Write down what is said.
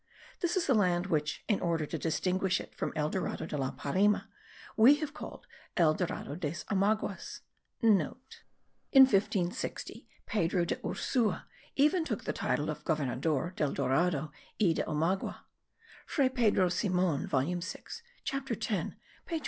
This is the land which, in order to distinguish it from El Dorado de la Parime, we have called El Dorado des Omaguas.* (* In 1560 Pedro de Ursua even took the title of Governador del Dorado y de Omagua. Fray Pedro Simon volume 6 chapter 10 page 430.)